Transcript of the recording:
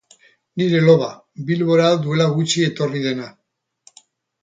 Nire loba, Bilbora duela gutxi etorri dena.